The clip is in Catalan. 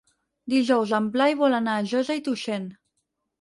Dijous en Blai vol anar a Josa i Tuixén.